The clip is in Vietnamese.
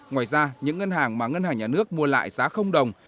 ngoài ra những ngân hàng mà ngân hàng nhà nước mua lại giá đồng